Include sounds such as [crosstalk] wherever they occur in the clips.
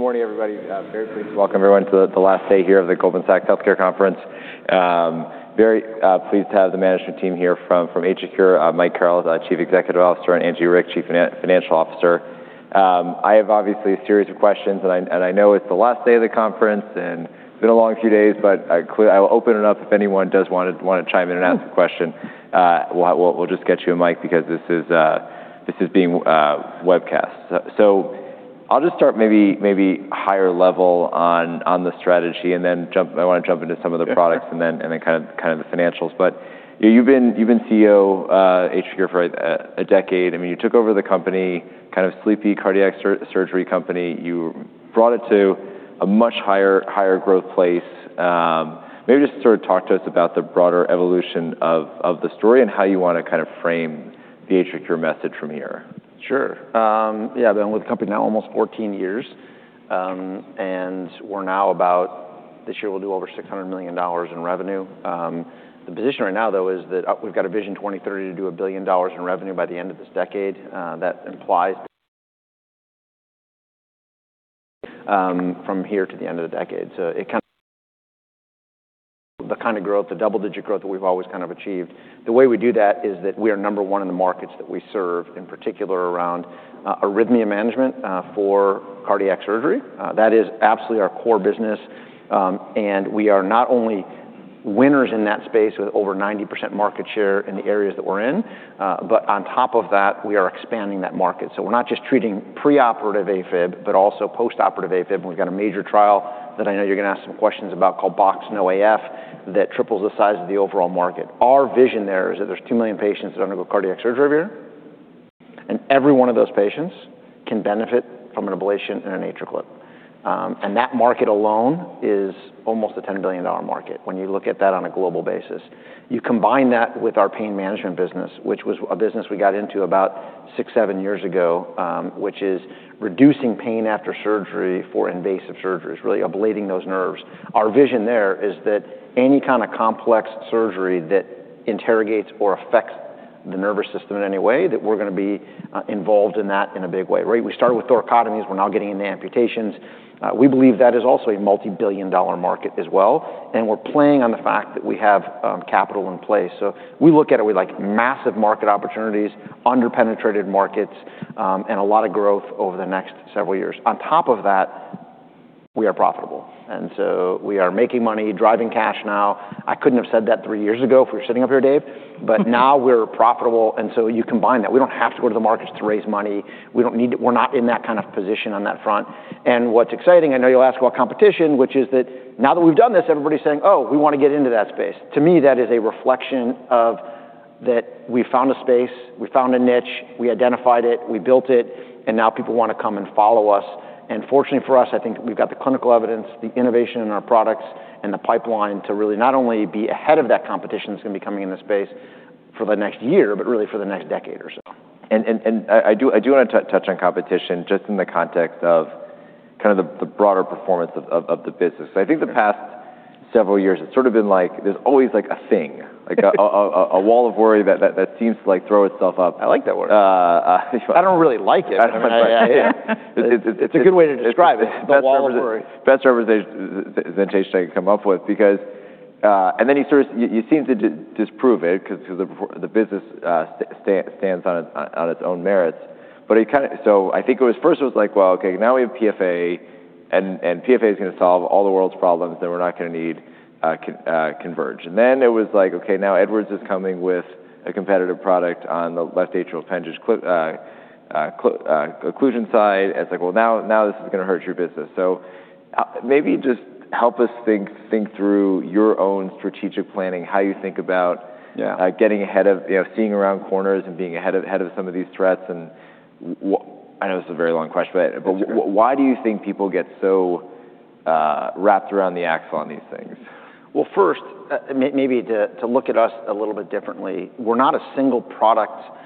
Good morning, everybody. Very pleased to welcome everyone to the last day here of the Goldman Sachs Healthcare Conference. Very pleased to have the management team here from AtriCure, Mike Carrel, the Chief Executive Officer, and Angie Wirick, Chief Financial Officer. I have obviously a series of questions, and I know it's the last day of the conference, and it's been a long few days, but I will open it up if anyone does want to chime in and ask a question. We'll just get you a mic because this is being webcast. I'll just start maybe higher level on the strategy and then I want to jump into some of the products and then kind of the financials. You've been CEO of AtriCure for a decade. You took over the company, kind of sleepy cardiac surgery company. You brought it to a much higher growth place. Maybe just sort of talk to us about the broader evolution of the story and how you want to kind of frame the AtriCure message from here. Sure. Yeah, I've been with the company now almost 14 years. We're now about, this year, we'll do over $600 million in revenue. The position right now, though, is that we've got a Vision 2030 to do $1 billion in revenue by the end of this decade. That implies [audio distortion] from here to the end of the decade. It [audio distortion] kind of growth, the double-digit growth that we've always kind of achieved. The way we do that is that we are number one in the markets that we serve, in particular around arrhythmia management for cardiac surgery. That is absolutely our core business, and we are not only winners in that space with over 90% market share in the areas that we're in, but on top of that, we are expanding that market. We're not just treating preoperative AFib, but also postoperative AFib, and we've got a major trial that I know you're going to ask some questions about called BoxX-NoAF that triples the size of the overall market. Our vision there is that there's 2 million patients that undergo cardiac surgery every year, and every one of those patients can benefit from an ablation and an AtriClip. That market alone is almost a $10 billion market when you look at that on a global basis. You combine that with our pain management business, which was a business we got into about six, seven years ago, which is reducing pain after surgery for invasive surgeries, really ablating those nerves. Our vision there is that any kind of complex surgery that interrogates or affects the nervous system in any way, that we're going to be involved in that in a big way, right? We started with thoracotomies. We're now getting into amputations. We believe that is also a multibillion-dollar market as well, and we're playing on the fact that we have capital in place. We look at it with massive market opportunities, under-penetrated markets, and a lot of growth over the next several years. On top of that, we are profitable, we are making money, driving cash now. I couldn't have said that three years ago if we were sitting up here, Dave. Now we're profitable, you combine that. We don't have to go to the markets to raise money. We're not in that kind of position on that front. What's exciting, I know you'll ask about competition, which is that now that we've done this, everybody's saying, "Oh, we want to get into that space." To me, that is a reflection of that we found a space, we found a niche, we identified it, we built it, and now people want to come and follow us. Fortunately for us, I think we've got the clinical evidence, the innovation in our products, and the pipeline to really not only be ahead of that competition that's going to be coming in the space for the next year, but really for the next decade or so. I do want to touch on competition just in the context of kind of the broader performance of the business, because I think the past several years, it's sort of been like there's always a thing. Like a wall of worry that seems to throw itself up. I like that word. If you want. I don't really like it. That's right. Yeah. It's a good way to describe it. The wall of worry. Best representation I can come up with because. Then you seem to disprove it because the business stands on its own merits. I think it was first it was like, well, okay, now we have PFA, and PFA's going to solve all the world's problems, then we're not going to need Convergent. Then it was like, okay, now Edwards is coming with a competitive product on the left atrial appendage occlusion side, and it's like, well, now this is going to hurt your business. Maybe just help us think through your own strategic planning, how you think about- Yeah.... getting ahead of, seeing around corners and being ahead of some of these threats and. I know this is a very long question. That's okay. Why do you think people get so wrapped around the axle on these things? First, maybe to look at us a little bit differently. We're not a single-product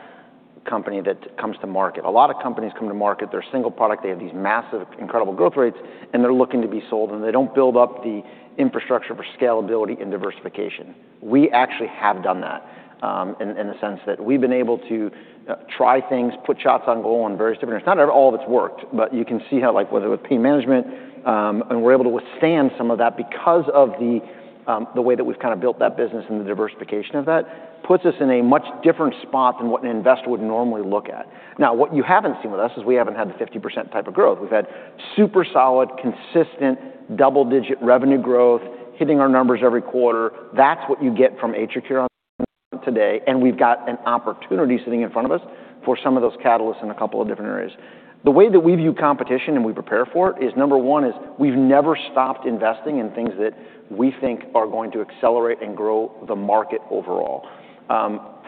company that comes to market. A lot of companies come to market, they're a single product, they have these massive incredible growth rates, and they're looking to be sold, and they don't build up the infrastructure for scalability and diversification. We actually have done that in the sense that we've been able to try things, put shots on goal in various different areas. Not all of it's worked, but you can see how, like whether with pain management, and we're able to withstand some of that because of the way that we've kind of built that business and the diversification of that puts us in a much different spot than what an investor would normally look at. What you haven't seen with us is we haven't had the 50% type of growth. We've had super solid, consistent, double-digit revenue growth, hitting our numbers every quarter. That's what you get from AtriCure today. We've got an opportunity sitting in front of us for some of those catalysts in a couple of different areas. The way that we view competition and we prepare for it is number one is we've never stopped investing in things that we think are going to accelerate and grow the market overall.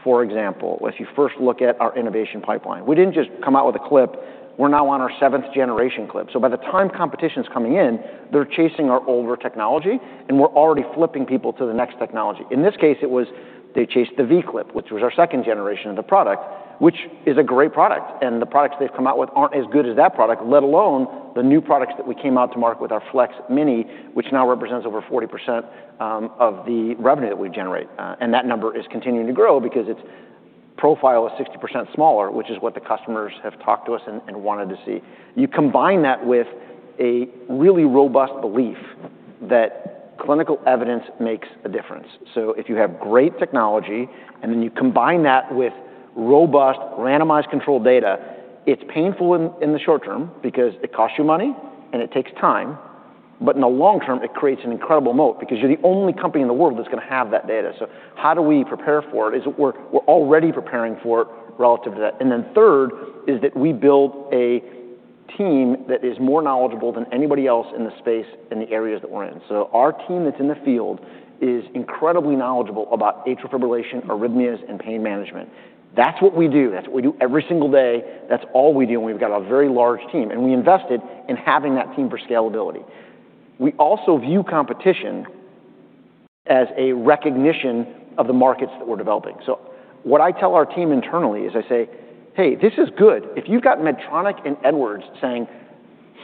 For example, if you first look at our innovation pipeline, we didn't just come out with a clip. We're now on our seventh-generation clip. By the time competition's coming in, they're chasing our older technology, and we're already flipping people to the next technology. In this case, it was they chased the V-Clip, which was our second generation of the product, which is a great product. The products they've come out with aren't as good as that product, let alone the new products that we came out to market with our FLEX-Mini, which now represents over 40% of the revenue that we generate. That number is continuing to grow because its profile is 60% smaller, which is what the customers have talked to us and wanted to see. You combine that with a really robust belief that clinical evidence makes a difference. If you have great technology, then you combine that with robust randomized controlled data, it's painful in the short term because it costs you money and it takes time. In the long term, it creates an incredible moat because you're the only company in the world that's going to have that data. How do we prepare for it is we're already preparing for it relative to that. Third is that we build a team that is more knowledgeable than anybody else in the space in the areas that we're in. Our team that's in the field is incredibly knowledgeable about atrial fibrillation, arrhythmias, and pain management. That's what we do. That's what we do every single day. That's all we do. We've got a very large team, and we invested in having that team for scalability. We also view competition as a recognition of the markets that we're developing. What I tell our team internally is I say, "Hey, this is good. If you've got Medtronic and Edwards saying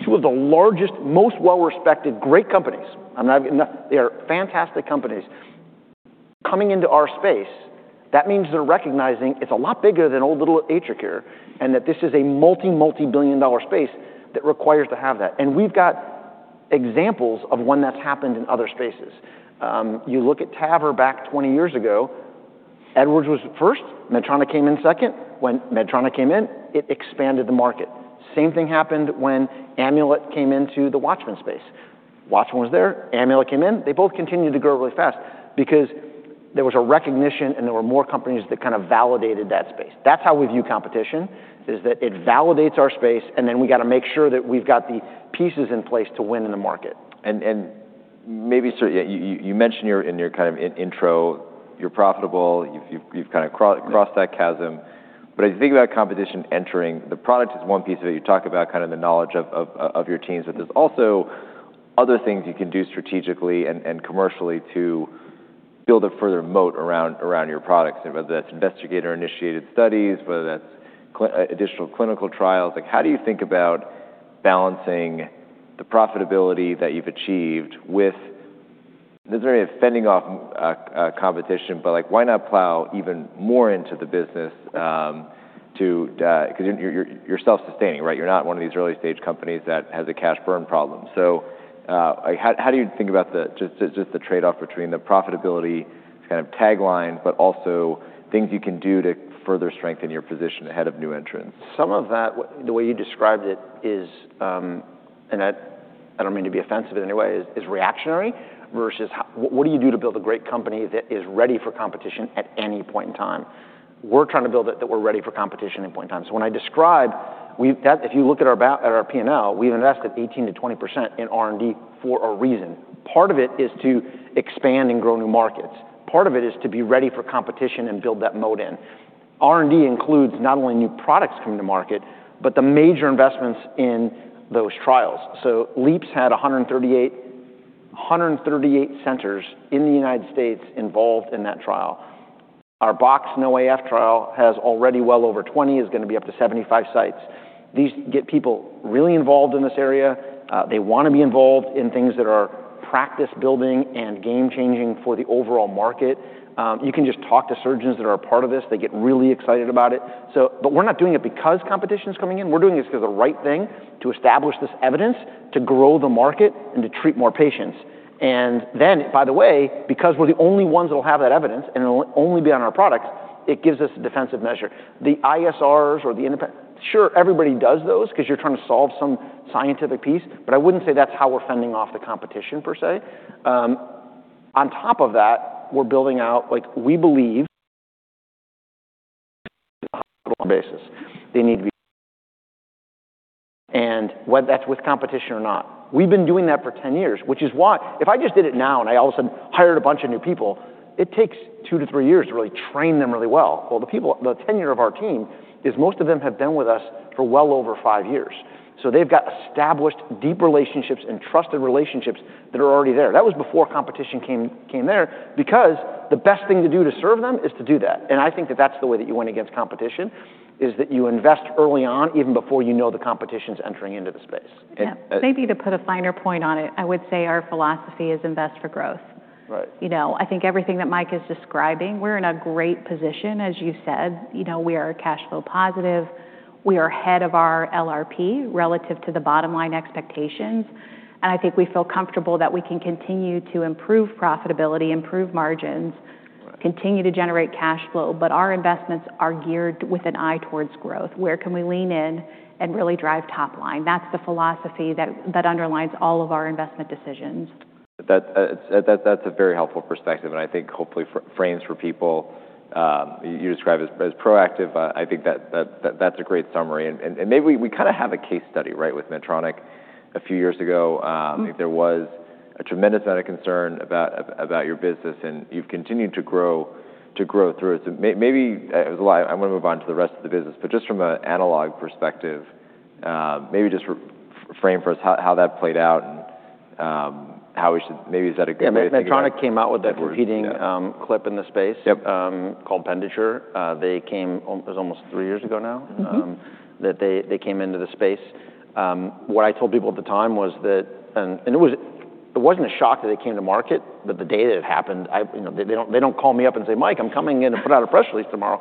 two of the largest, most well-respected, great companies, they are fantastic companies, coming into our space, that means they're recognizing it's a lot bigger than old little AtriCure and that this is a multi-billion dollar space that requires to have that. We've got examples of when that's happened in other spaces. You look at TAVR back 20 years ago, Edwards was first, Medtronic came in second. When Medtronic came in, it expanded the market. Same thing happened when Amulet came into the Watchman space. Watchman was there. Amulet came in. They both continued to grow really fast because there was a recognition and there were more companies that kind of validated that space. That's how we view competition, is that it validates our space, and then we got to make sure that we've got the pieces in place to win in the market. You mentioned in your kind of intro, you're profitable. You've kind of crossed that chasm. As you think about competition entering, the product is one piece of it. You talk about kind of the knowledge of your teams, but there's also other things you can do strategically and commercially to build a further moat around your products, whether that's investigator-initiated studies, whether that's additional clinical trials. How do you think about balancing the profitability that you've achieved with not necessarily fending off competition, but why not plow even more into the business? Because you're self-sustaining, right? You're not one of these early-stage companies that has a cash burn problem. How do you think about just the trade-off between the profitability kind of tagline, but also things you can do to further strengthen your position ahead of new entrants? Some of that, the way you described it is, and I don't mean to be offensive in any way, is reactionary versus what do you do to build a great company that is ready for competition at any point in time? We're trying to build it that we're ready for competition at any point in time. When I describe, if you look at our P&L, we've invested 18%-20% in R&D for a reason. Part of it is to expand and grow new markets. Part of it is to be ready for competition and build that moat in. R&D includes not only new products coming to market, but the major investments in those trials. LeAAPS had 138 centers in the U.S. involved in that trial. Our BoxX-NoAF trial has already well over 20, is going to be up to 75 sites. These get people really involved in this area. They want to be involved in things that are practice-building and game-changing for the overall market. You can just talk to surgeons that are a part of this. They get really excited about it. We're not doing it because competition's coming in. We're doing this because the right thing to establish this evidence, to grow the market, and to treat more patients. Then, by the way, because we're the only ones that'll have that evidence and it'll only be on our products, it gives us a defensive measure. The ISRs or, sure, everybody does those because you're trying to solve some scientific piece, but I wouldn't say that's how we're fending off the competition, per se. On top of that, We believe [audio distortion] basis. Whether that's with competition or not. We've been doing that for 10 years. If I just did it now and I all of a sudden hired a bunch of new people, it takes two to three years to really train them really well. Well, the tenure of our team is most of them have been with us for well over five years. They've got established, deep relationships and trusted relationships that are already there. That was before competition came there because the best thing to do to serve them is to do that. I think that that's the way that you win against competition is that you invest early on, even before you know the competition's entering into the space. Yeah. Maybe to put a finer point on it, I would say our philosophy is invest for growth. Right. I think everything that Mike is describing, we're in a great position. As you said, we are cash flow positive. We are ahead of our LRP relative to the bottom line expectations, I think we feel comfortable that we can continue to improve profitability, improve margins, continue to generate cash flow. Our investments are geared with an eye towards growth. Where can we lean in and really drive top line? That's the philosophy that underlines all of our investment decisions. That's a very helpful perspective and I think hopefully frames for people. You describe it as proactive. I think that's a great summary. Maybe we kind of have a case study, right, with Medtronic a few years ago. There was a tremendous amount of concern about your business, and you've continued to grow through it. Maybe, I'm going to move on to the rest of the business, but just from an analog perspective, maybe just frame for us how that played out. Maybe, is that a good way to think about it? Yeah. Medtronic came out with a competing clip in the space- Yep.... called Penditure. It was almost three years ago now that they came into the space. What I told people at the time was that. It wasn't a shock that they came to market, but the day that it happened, they don't call me up and say, "Mike, I'm coming in to put out a press release tomorrow."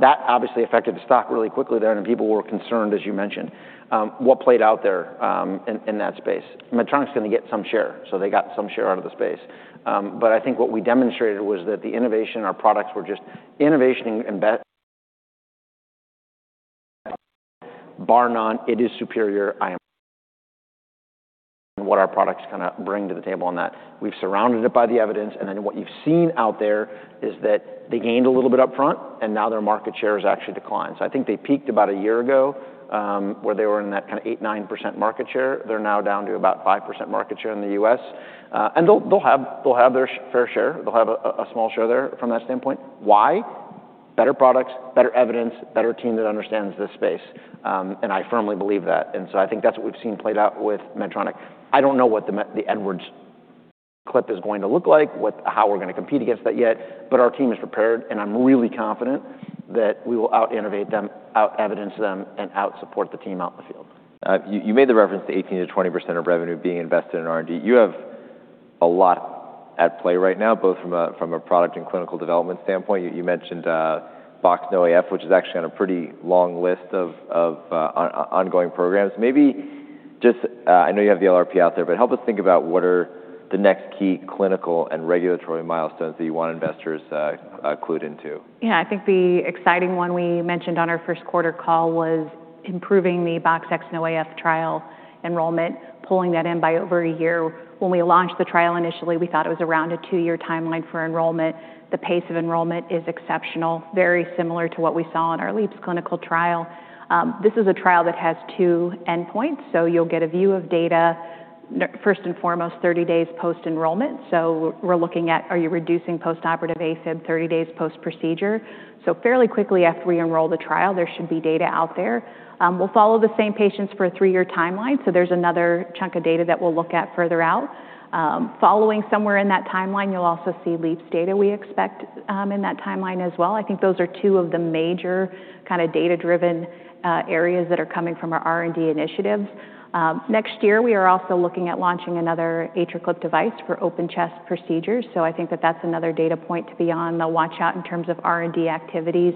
That obviously affected the stock really quickly there, and people were concerned, as you mentioned. What played out there in that space. Medtronic's going to get some share. They got some share out of the space. I think what we demonstrated was that the innovation in our products were just innovation and bar none, it is superior what our products bring to the table on that. We've surrounded it by the evidence. What you've seen out there is that they gained a little bit up front, and now their market share has actually declined. I think they peaked about a year ago, where they were in that 8%-9% market share. They're now down to about 5% market share in the U.S. They'll have their fair share. They'll have a small share there from that standpoint. Why? Better products, better evidence, better team that understands this space. I firmly believe that. I think that's what we've seen played out with Medtronic. I don't know what the Edwards clip is going to look like, how we're going to compete against that yet, but our team is prepared, and I'm really confident that we will out-innovate them, out-evidence them, and out-support the team out in the field. You made the reference to 18%-20% of revenue being invested in R&D. You have a lot at play right now, both from a product and clinical development standpoint. You mentioned BoxX-NoAF, which is actually on a pretty long list of ongoing programs. I know you have the LRPs out there. Help us think about what are the next key clinical and regulatory milestones that you want investors clued into. Yeah. I think the exciting one we mentioned on our first quarter call was improving the BoxX-NoAF trial enrollment, pulling that in by over a year. When we launched the trial initially, we thought it was around a two-year timeline for enrollment. The pace of enrollment is exceptional, very similar to what we saw in our LeAAPS clinical trial. This is a trial that has two endpoints, you'll get a view of data first and foremost 30 days post-enrollment. We're looking at are you reducing postoperative AFib 30 days post-procedure? Fairly quickly after we enroll the trial, there should be data out there. We'll follow the same patients for a three-year timeline, there's another chunk of data that we'll look at further out. Following somewhere in that timeline, you'll also see LeAAPS data we expect in that timeline as well. I think those are two of the major data-driven areas that are coming from our R&D initiatives. Next year we are also looking at launching another AtriClip device for open chest procedures, so I think that that's another data point to be on the watch out in terms of R&D activities.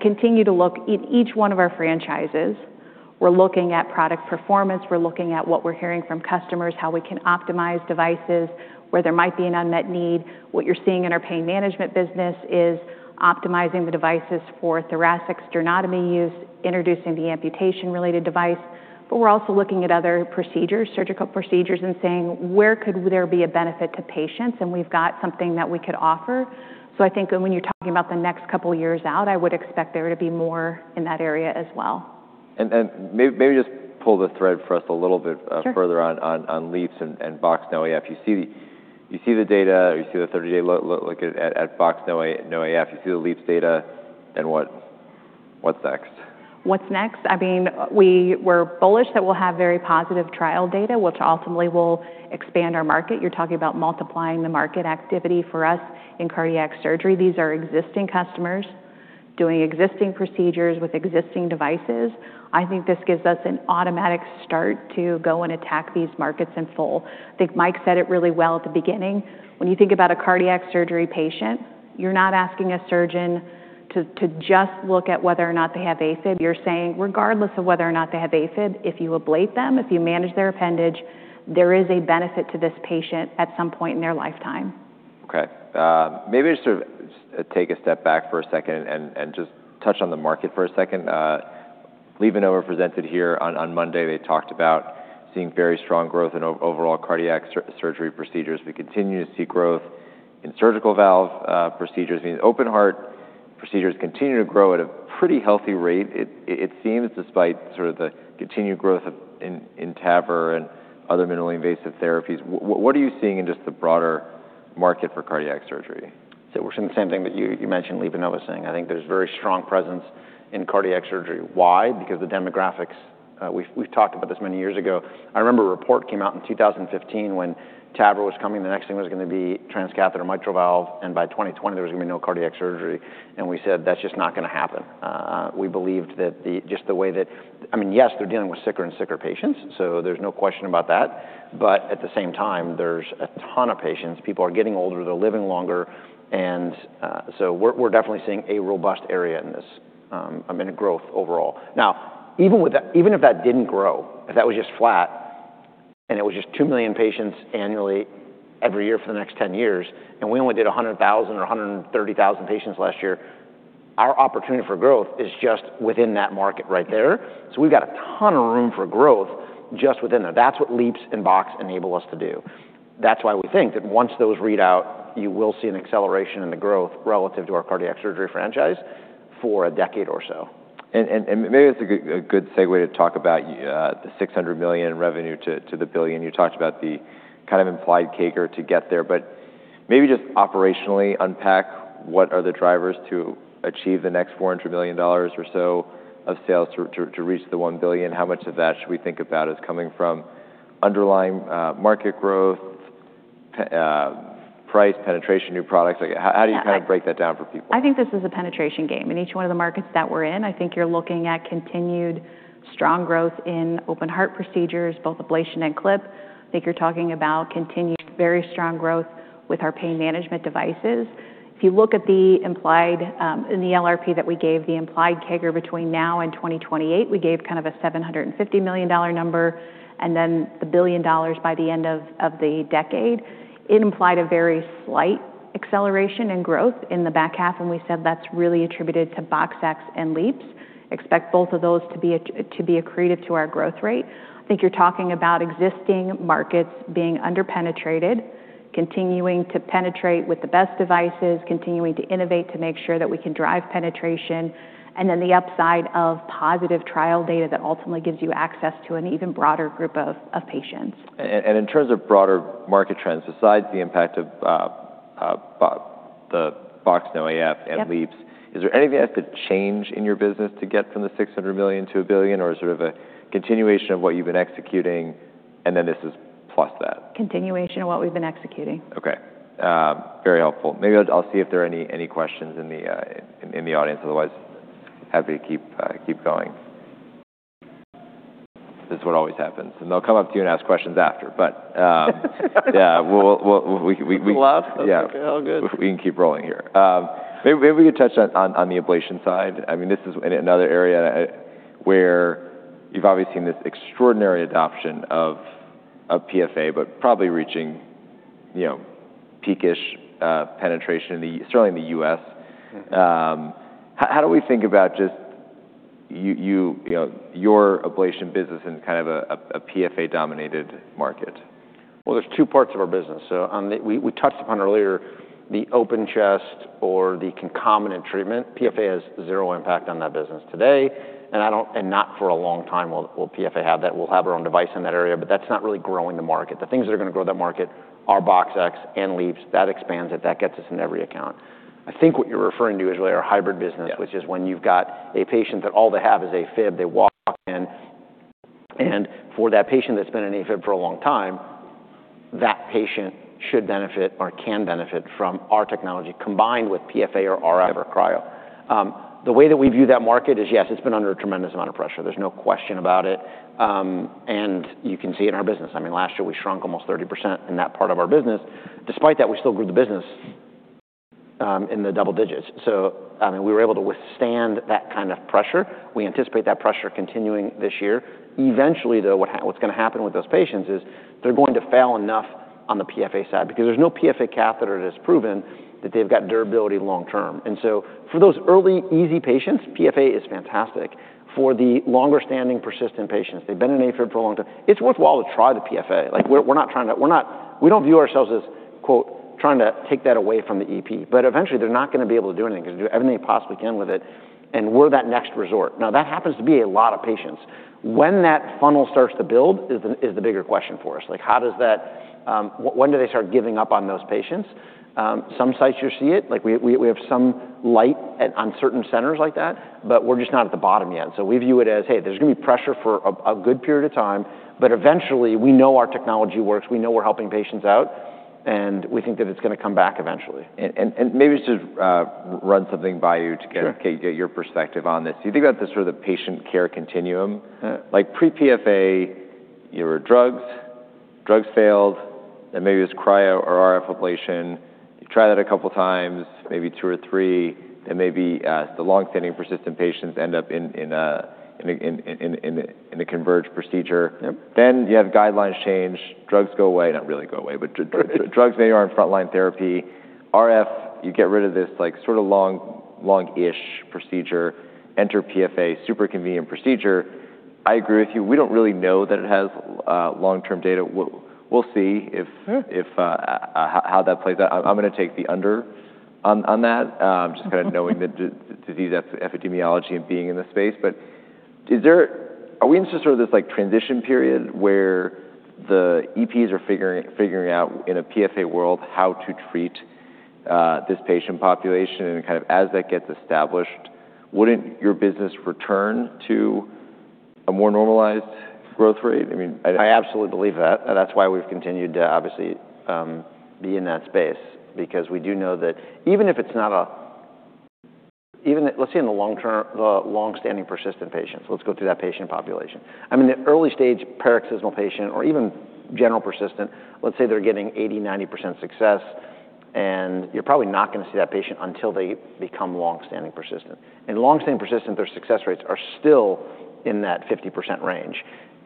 Continue to look at each one of our franchises. We're looking at product performance. We're looking at what we're hearing from customers, how we can optimize devices where there might be an unmet need. What you're seeing in our pain management business is optimizing the devices for thoracic sternotomy use, introducing the amputation-related device. We're also looking at other procedures, surgical procedures, and saying, "Where could there be a benefit to patients, and we've got something that we could offer?" I think when you're talking about the next couple years out, I would expect there to be more in that area as well. Maybe just pull the thread for us a little bit- Sure.... further on LeAAPS and BoxX-NoAF. You see the data, or you see the 30-day look at BoxX-NoAF. You see the LeAAPS data. What? What's next? What's next? We're bullish that we'll have very positive trial data, which ultimately will expand our market. You're talking about multiplying the market activity for us in cardiac surgery. These are existing customers doing existing procedures with existing devices. I think this gives us an automatic start to go and attack these markets in full. I think Mike said it really well at the beginning. When you think about a cardiac surgery patient, you're not asking a surgeon to just look at whether or not they have AFib. You're saying regardless of whether or not they have AFib, if you ablate them, if you manage their appendage, there is a benefit to this patient at some point in their lifetime. Okay. Maybe just sort of take a step back for a second and just touch on the market for a second. LeMaitre presented here on Monday. They talked about seeing very strong growth in overall cardiac surgery procedures. We continue to see growth in surgical valve procedures, meaning open heart procedures continue to grow at a pretty healthy rate it seems, despite sort of the continued growth in TAVR and other minimally invasive therapies. What are you seeing in just the broader market for cardiac surgery? We're seeing the same thing that you mentioned LeMaitre was saying. I think there's very strong presence in cardiac surgery. Why? Because the demographics. We've talked about this many years ago. I remember a report came out in 2015 when TAVR was coming, the next thing was going to be transcatheter mitral valve, and by 2020 there was going to be no cardiac surgery, and we said, "That's just not going to happen." We believed that just the way that. Yes, they're dealing with sicker and sicker patients, so there's no question about that. At the same time, there's a ton of patients. People are getting older. They're living longer. We're definitely seeing a robust area in this growth overall. Even if that didn't grow, if that was just flat, and it was just 2 million patients annually every year for the next 10 years, and we only did 100,000 or 130,000 patients last year, our opportunity for growth is just within that market right there. We've got a ton of room for growth just within there. That's what LeAAPS and BoxX enable us to do. That's why we think that once those read out, you will see an acceleration in the growth relative to our cardiac surgery franchise for a decade or so. Maybe that's a good segue to talk about the $600 million in revenue to the $1 billion. You talked about the kind of implied CAGR to get there. Maybe just operationally unpack what are the drivers to achieve the next $400 million or so of sales to reach the $1 billion. How much of that should we think about as coming from underlying market growthprice penetration, new products? How do you break that down for people? I think this is a penetration game. In each one of the markets that we're in, I think you're looking at continued strong growth in open heart procedures, both ablation and clip. I think you're talking about continued very strong growth with our pain management devices. If you look at the LRP that we gave, the implied CAGR between now and 2028, we gave a $750 million number, and then the $1 billion by the end of the decade. It implied a very slight acceleration in growth in the back half, and we said that's really attributed to BoxX and LeAAPS. Expect both of those to be accretive to our growth rate. I think you're talking about existing markets being under-penetrated, continuing to penetrate with the best devices, continuing to innovate to make sure that we can drive penetration, and then the upside of positive trial data that ultimately gives you access to an even broader group of patients. In terms of broader market trends, besides the impact of the BoxX-NoAF and LeAAPS. Yep. Is there anything that has to change in your business to get from the $600 million to a $1 billion, or is there a continuation of what you've been executing and then this is plus that? Continuation of what we've been executing. Okay. Very helpful. Maybe I'll see if there are any questions in the audience. Otherwise, happy to keep going. This is what always happens, and they'll come up to you and ask questions after. Yeah. We'll. A little off? Yeah. Okay, all good. We can keep rolling here. Maybe you could touch on the ablation side. This is another area where you've obviously seen this extraordinary adoption of PFA, but probably reaching peak-ish penetration, certainly in the U.S. How do we think about your ablation business in a PFA-dominated market? There's two parts of our business. We touched upon earlier the open chest or the concomitant treatment. PFA has zero impact on that business today, and not for a long time will PFA have that. We'll have our own device in that area, but that's not really growing the market. The things that are going to grow that market are BoxX and LeAAPS. That expands it. That gets us in every account. I think what you're referring to is really our hybrid business. Yeah. Which is when you've got a patient that all they have is AFib. They walk in, for that patient that's been in AFib for a long time, that patient should benefit or can benefit from our technology combined with PFA or RF or cryo. The way that we view that market is, yes, it's been under a tremendous amount of pressure. There's no question about it. You can see it in our business. Last year we shrunk almost 30% in that part of our business. Despite that, we still grew the business in the double digits. We were able to withstand that kind of pressure. We anticipate that pressure continuing this year. Eventually, though, what's going to happen with those patients is they're going to fail enough on the PFA side, because there's no PFA catheter that's proven that they've got durability long-term. For those early, easy patients, PFA is fantastic. For the longer-standing persistent patients, they've been in AFib for a long time, it's worthwhile to try the PFA. We don't view ourselves as, quote, "trying to take that away from the EP," eventually they're not going to be able to do anything because they'll do everything they possibly can with it, we're that next resort. Now, that happens to be a lot of patients. When that funnel starts to build is the bigger question for us. When do they start giving up on those patients? Some sites you see it. We have some light on certain centers like that, but we're just not at the bottom yet. We view it as, hey, there's going to be pressure for a good period of time, eventually, we know our technology works, we know we're helping patients out, we think that it's going to come back eventually. Maybe just to run something by you. Sure. To get your perspective on this. You think about the sort of patient care continuum. Yeah. Pre-PFA, your drugs, drugs failed, then maybe it was cryo or RF ablation. You try that a couple of times, maybe two or three, then maybe the long-standing persistent patients end up in a Convergent procedure. Yep. You have guidelines change. Drugs go away. Not really go away, but drugs maybe aren't frontline therapy. RF, you get rid of this sort of long-ish procedure. Enter PFA, super convenient procedure. I agree with you. We don't really know that it has long-term data. We'll see how that plays out. I'm going to take the under on that, just kind of knowing the disease epidemiology and being in the space. Are we in sort of this transition period where the EPs are figuring out, in a PFA world, how to treat this patient population, and then as that gets established, wouldn't your business return to a more normalized growth rate? I absolutely believe that. That's why we've continued to obviously be in that space. We do know that even let's say in the long-standing persistent patients, let's go through that patient population. The early-stage paroxysmal patient or even general persistent, let's say they're getting 80%-90% success, you're probably not going to see that patient until they become long-standing persistent. In long-standing persistent, their success rates are still in that 50% range.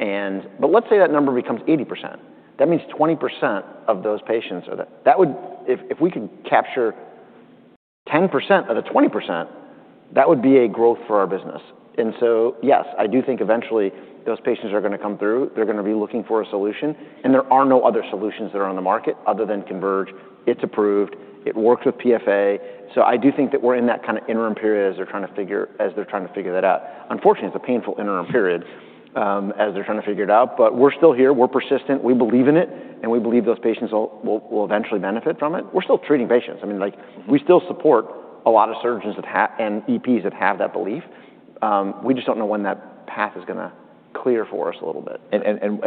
Let's say that number becomes 80%. That means 20% of those patients. If we could capture 10% of the 20%, that would be a growth for our business. Yes, I do think eventually those patients are going to come through, they're going to be looking for a solution, and there are no other solutions that are on the market other than Convergent. It's approved. It works with PFA. I do think that we're in that kind of interim period as they're trying to figure that out. Unfortunately, it's a painful interim period as they're trying to figure it out. We're still here. We're persistent. We believe in it, and we believe those patients will eventually benefit from it. We're still treating patients. We still support a lot of surgeons and EPs that have that belief. We just don't know when that path is going to clear for us a little bit.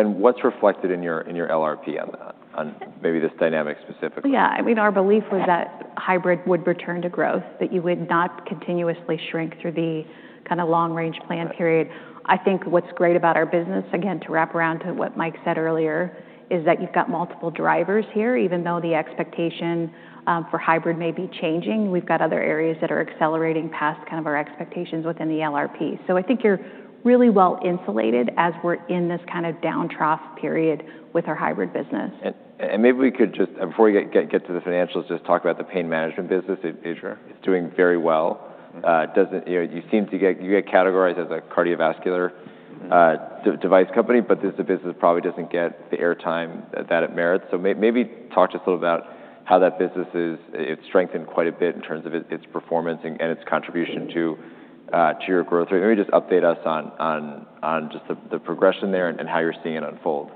What's reflected in your LRP on that, on maybe this dynamic specifically? Yeah. Our belief was that hybrid would return to growth, that you would not continuously shrink through the long-range plan period. I think what's great about our business, again, to wrap around to what Mike said earlier, is that you've got multiple drivers here. Even though the expectation for hybrid may be changing, we've got other areas that are accelerating past our expectations within the LRP. I think you're really well-insulated as we're in this kind of down trough period with our hybrid business. Maybe we could just, before we get to the financials, just talk about the pain management business. Sure. It's doing very well. You get categorized as a cardiovascular device company, but this business probably doesn't get the airtime that it merits. Maybe talk to us a little about how that business is. It's strengthened quite a bit in terms of its performance and its contribution to your growth rate. Maybe just update us on just the progression there and how you're seeing it unfold.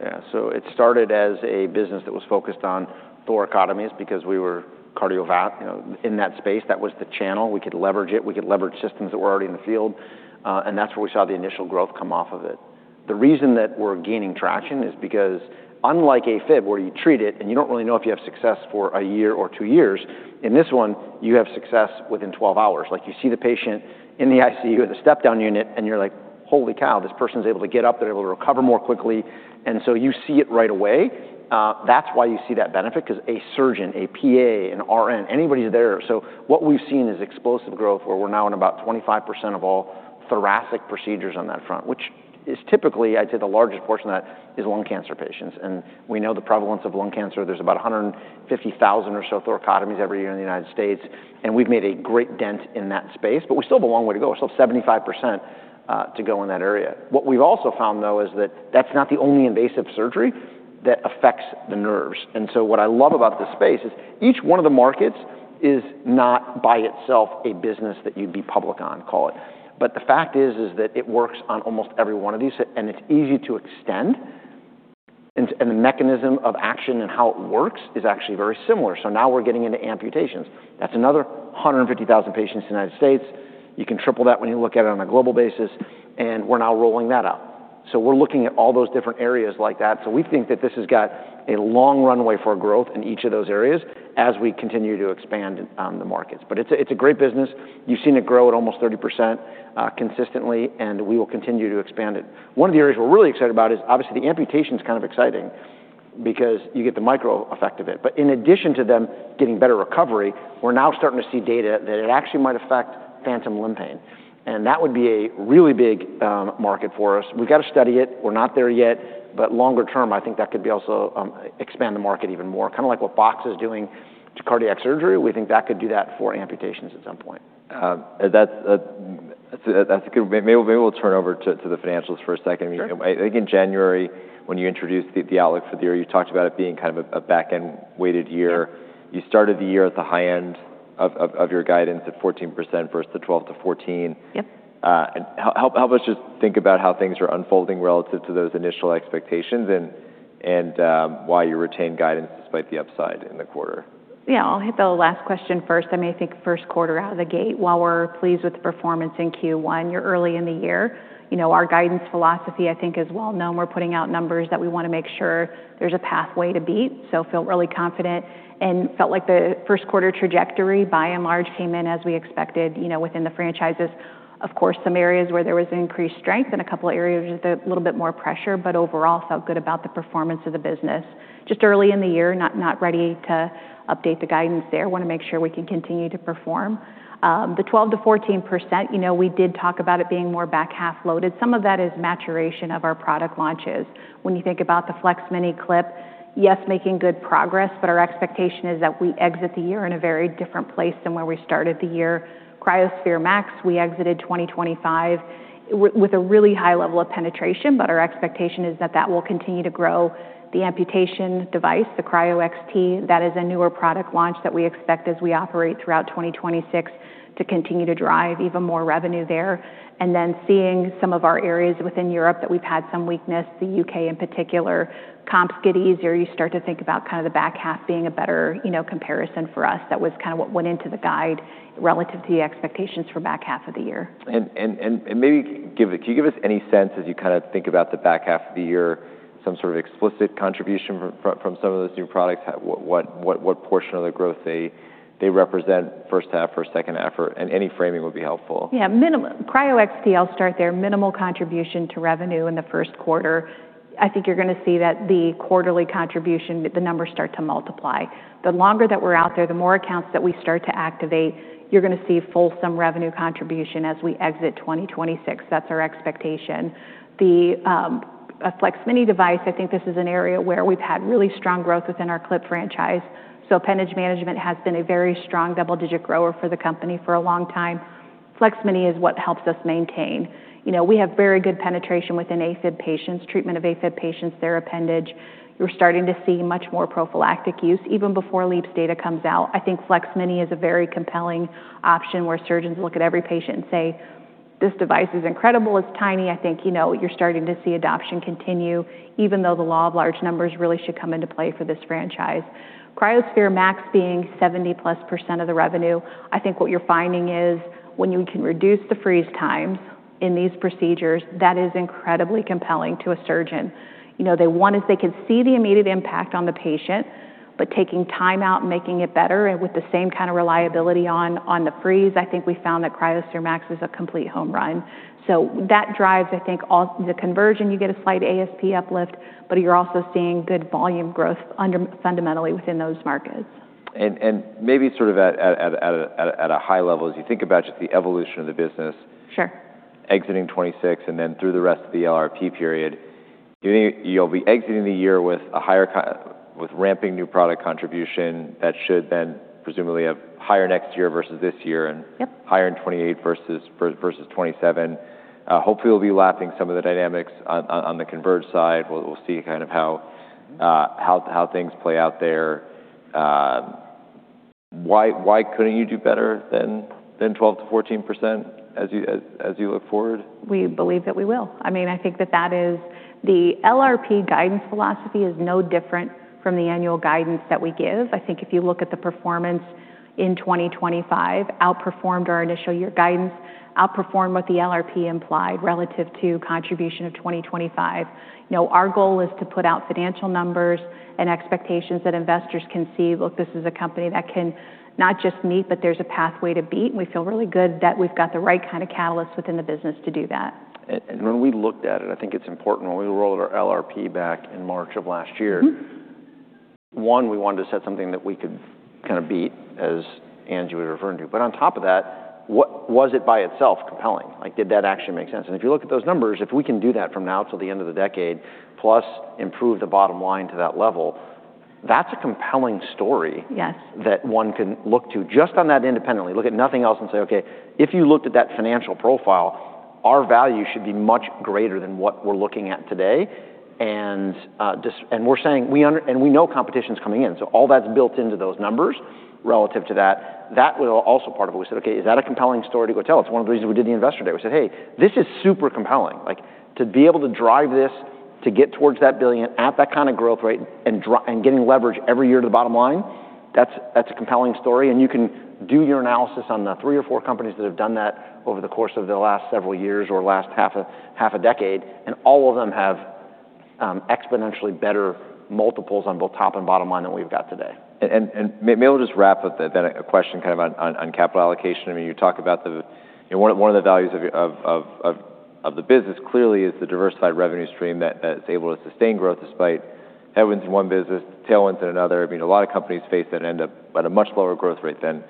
It started as a business that was focused on thoracotomies because we were cardiovascular, in that space. That was the channel. We could leverage it. We could leverage systems that were already in the field. That's where we saw the initial growth come off of it. The reason that we're gaining traction is because unlike AFib, where you treat it and you don't really know if you have success for a year or two years, in this one, you have success within 12 hours. You see the patient in the ICU or the step-down unit and you're like, "Holy cow, this person's able to get up. They're able to recover more quickly." You see it right away. That's why you see that benefit, because a surgeon, a PA, an RN, anybody's there. What we've seen is explosive growth where we're now in about 25% of all thoracic procedures on that front, which is typically, I'd say the largest portion of that is lung cancer patients. We know the prevalence of lung cancer. There's about 150,000 or so thoracotomies every year in the U.S. We've made a great dent in that space. We still have a long way to go. We still have 75% to go in that area. What we've also found, though, is that that's not the only invasive surgery that affects the nerves. What I love about this space is each one of the markets is not by itself a business that you'd be public on, call it. The fact is that it works on almost every one of these, and it's easy to extend. The mechanism of action and how it works is actually very similar. Now we're getting into amputations. That's another 150,000 patients in the U.S. You can triple that when you look at it on a global basis. We're now rolling that out. We're looking at all those different areas like that. We think that this has got a long runway for growth in each of those areas as we continue to expand on the markets. It's a great business. You've seen it grow at almost 30% consistently, and we will continue to expand it. One of the areas we're really excited about is obviously the amputations kind of exciting because you get the micro effect of it. In addition to them getting better recovery, we're now starting to see data that it actually might affect phantom limb pain. That would be a really big market for us. We've got to study it. We're not there yet. Longer term, I think that could also expand the market even more. Kind of like what BoxX-NoAF is doing to cardiac surgery, we think that could do that for amputations at some point. Maybe we'll turn over to the financials for a second. Sure. I think in January, when you introduced the outlook for the year, you talked about it being kind of a back-end weighted year. Yeah. You started the year at the high end of your guidance at 14% versus the 12%-14%. Yep. Help us just think about how things are unfolding relative to those initial expectations and why you retained guidance despite the upside in the quarter. I mean, I think first quarter out of the gate, while we're pleased with the performance in Q1, you're early in the year. Our guidance philosophy, I think, is well known. We're putting out numbers that we want to make sure there's a pathway to beat. Feel really confident and felt like the first quarter trajectory by and large came in as we expected within the franchises. Of course, some areas where there was increased strength and a couple of areas with a little bit more pressure, but overall felt good about the performance of the business. Just early in the year, not ready to update the guidance there. Want to make sure we can continue to perform. The 12%-14%, we did talk about it being more back-half loaded. Some of that is maturation of our product launches. When you think about the AtriClip FLEX-Mini Clip, yes, making good progress, but our expectation is that we exit the year in a very different place than where we started the year. cryoSPHERE MAX, we exited 2025 with a really high level of penetration, but our expectation is that that will continue to grow. The amputation device, the cryoXT, that is a newer product launch that we expect as we operate throughout 2026 to continue to drive even more revenue there. Then seeing some of our areas within Europe that we've had some weakness, the U.K. in particular, comps get easier. You start to think about kind of the back half being a better comparison for us. That was kind of what went into the guide relative to the expectations for back half of the year. Can you give us any sense as you kind of think about the back half of the year, some sort of explicit contribution from some of those new products? What portion of the growth they represent first half versus second half? Any framing would be helpful. Yeah. cryoXT, I'll start there, minimal contribution to revenue in the first quarter. I think you're going to see that the quarterly contribution, the numbers start to multiply. The longer that we're out there, the more accounts that we start to activate, you're going to see fulsome revenue contribution as we exit 2026. That's our expectation. The AtriClip FLEX-Mini device, I think this is an area where we've had really strong growth within our clip franchise. Appendage management has been a very strong double-digit grower for the company for a long time. AtriClip FLEX-Mini is what helps us maintain. We have very good penetration within AFib patients, treatment of AFib patients, their appendage. We're starting to see much more prophylactic use even before LeAAPS data comes out. I think AtriClip FLEX-Mini is a very compelling option where surgeons look at every patient and say, This device is incredible. It's tiny. I think you're starting to see adoption continue, even though the law of large numbers really should come into play for this franchise. cryoSPHERE MAX being 70%+ of the revenue, I think what you're finding is when you can reduce the freeze times in these procedures, that is incredibly compelling to a surgeon. They want it, they can see the immediate impact on the patient, but taking time out and making it better and with the same kind of reliability on the freeze, I think we found that cryoSPHERE MAX is a complete home run. That drives, I think, the conversion, you get a slight ASP uplift, but you're also seeing good volume growth fundamentally within those markets. Maybe sort of at a high level, as you think about just the evolution of the business. Sure. Exiting 2026. Through the rest of the LRP period, you'll be exiting the year with ramping new product contribution that should then presumably have higher next year versus this year- Yep.... higher in 2028 versus 2027. Hopefully, we'll be lapping some of the dynamics on the Convergent side. We'll see kind of how things play out there. Why couldn't you do better than 12%-14% as you look forward? We believe that we will. I think that that is the LRP guidance philosophy is no different from the annual guidance that we give. I think if you look at the performance in 2025, outperformed our initial year guidance, outperformed what the LRP implied relative to contribution of 2025. Our goal is to put out financial numbers and expectations that investors can see, look, this is a company that can not just meet, but there's a pathway to beat, and we feel really good that we've got the right kind of catalyst within the business to do that. When we looked at it, I think it's important when we rolled our LRP back in March of last year. We wanted to set something that we could kind of beat, as Angie was referring to. On top of that, was it by itself compelling? Did that actually make sense? If you look at those numbers, if we can do that from now till the end of the decade, plus improve the bottom line to that level, that's a compelling story. Yes. That one can look to just on that independently, look at nothing else and say, okay, if you looked at that financial profile, our value should be much greater than what we're looking at today. We know competition's coming in, all that's built into those numbers relative to that. That was also part of it. We said, okay, is that a compelling story to go tell? It's one of the reasons we did the Investor Day. We said, "Hey, this is super compelling." To be able to drive this, to get towards that $1 billion at that kind of growth rate and getting leverage every year to the bottom line, that's a compelling story. You can do your analysis on the three or four companies that have done that over the course of the last several years or last half a decade, all of them have exponentially better multiples on both top and bottom line than we've got today. May we just wrap with a question kind of on capital allocation. You talk about one of the values of the business clearly is the diversified revenue stream that is able to sustain growth despite headwinds in one business, tailwinds in another. A lot of companies face that end up at a much lower growth rate than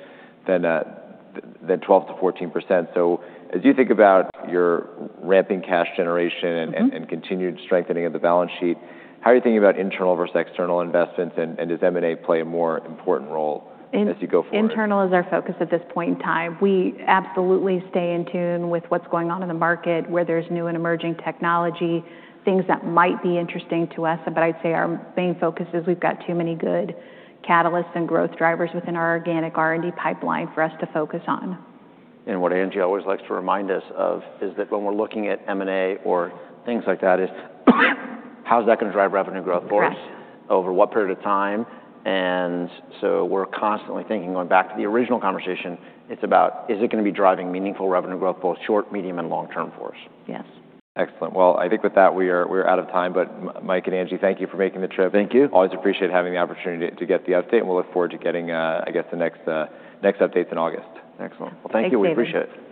12%-14%. As you think about your ramping cash generation and continued strengthening of the balance sheet, how are you thinking about internal versus external investments, and does M&A play a more important role as you go forward? Internal is our focus at this point in time. We absolutely stay in tune with what's going on in the market, where there's new and emerging technology, things that might be interesting to us. I'd say our main focus is we've got too many good catalysts and growth drivers within our organic R&D pipeline for us to focus on. What Angie always likes to remind us of is that when we're looking at M&A or things like that is how's that going to drive revenue growth for us. Correct. Over what period of time. We're constantly thinking, going back to the original conversation, it's about is it going to be driving meaningful revenue growth, both short, medium, and long-term for us. Yes. Excellent. Well, I think with that, we are out of time. Mike and Angie, thank you for making the trip. Thank you. Always appreciate having the opportunity to get the update. We'll look forward to getting the next update in August. Excellent. Thanks, David. Thank you. We appreciate it. Thank you.